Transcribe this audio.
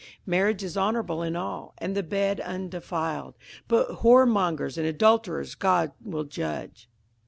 58:013:004 Marriage is honourable in all, and the bed undefiled: but whoremongers and adulterers God will judge.